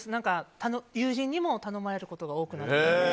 友人にも頼まれること多くて。